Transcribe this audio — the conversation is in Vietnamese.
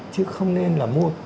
chứ không nên là mua